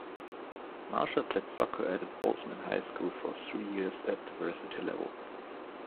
Marshall played soccer at Bozeman High School for three years at the varsity level.